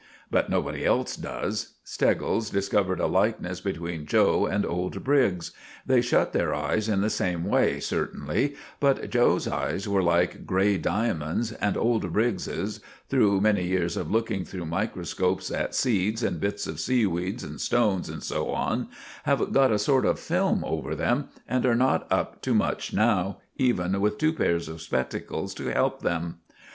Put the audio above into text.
But nobody else does. Steggles discovered a likeness between 'Joe' and old Briggs. They shut their eyes in the same way certainly, but 'Joe's' eyes are like grey diamonds, and old Briggs's, through many years of looking through microscopes at seeds, and bits of seaweeds, and stones, and so on, have got a sort of film over them, and are not up to much now, even with two pairs of spectacles to help them.